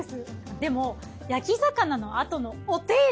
でも焼き魚のあとのお手入れ